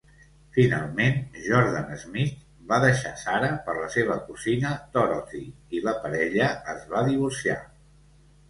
Finalment, Jordan-Smith va deixar Sarah per la seva cosina Dorothy i la parella es va divorciar.